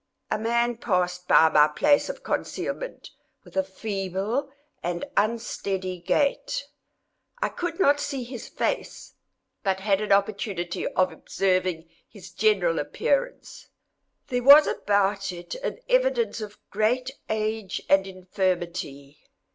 A man passed by my place of concealment with a feeble and unsteady gait. I could not see his face, but had an opportunity of observing his general appearance. There was about it an evidence of great age and infirmity.